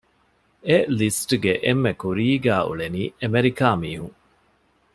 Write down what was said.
އެ ލިސްޓްގެ އެންމެ ކުރީގައި އުޅެނީ އެމެރިކާ މީހުން